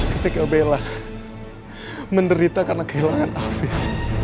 ketika bella menderita karena kehilangan afir